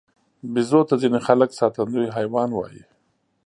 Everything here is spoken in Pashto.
بیزو ته ځینې خلک ساتندوی حیوان وایي.